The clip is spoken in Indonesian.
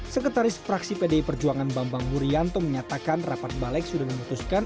sekretaris fraksi pdi perjuangan bambang wuryanto menyatakan rapat balek sudah memutuskan